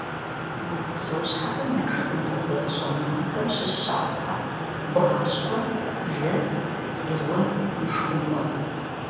Мэз псэущхьэхэм я шхыныгъуэ зэпыщӏэныгъэхэм щыщ щапхъэ: бгъащхъуэ – блэ – дзыгъуэ – мышхумпӏэ.